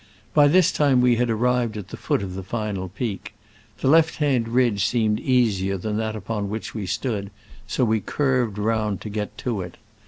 By this time we had arrived at the foot of the final peak. The left hand ridge seemed easier than that upon which we stood, so we curved round to get to it.